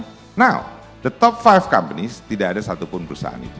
sekarang top lima perusahaan tidak ada satupun perusahaan itu